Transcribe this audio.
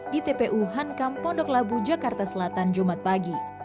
di tpu hankam pondok labu jakarta selatan jumat pagi